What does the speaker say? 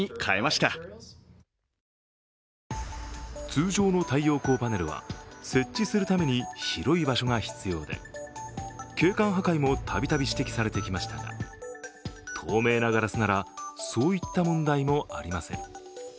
通常の太陽光パネルは設置するために広い場所が必要で、景観破壊も度々指摘されてきましたが透明なガラスなら、そういった問題もありません。